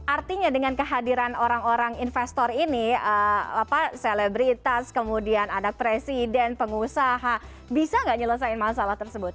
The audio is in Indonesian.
artinya dengan kehadiran orang orang investor ini selebritas kemudian anak presiden pengusaha bisa nggak nyelesain masalah tersebut